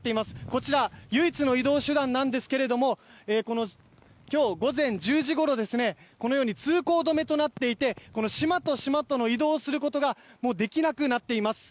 こちら唯一の移動手段なんですが今日、午前１０時ごろこのように通行止めとなっていて島と島との移動をすることができなくなっています。